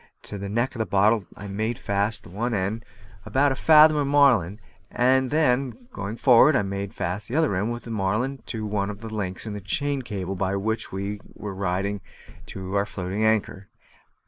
To the neck of the bottle I made fast the end of about a fathom of marline, and then, going forward, I made fast the other end of the marline to one of the links of the chain cable by which we were riding to our floating anchor.